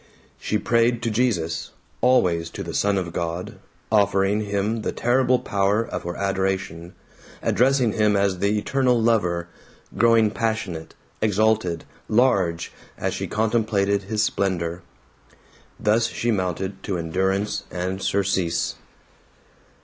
She prayed to Jesus, always to the Son of God, offering him the terrible power of her adoration, addressing him as the eternal lover, growing passionate, exalted, large, as she contemplated his splendor. Thus she mounted to endurance and surcease.